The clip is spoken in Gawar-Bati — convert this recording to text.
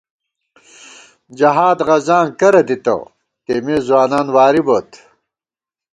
جہاد غزاں کرہ دِتہ تېمےځوانان واری بوت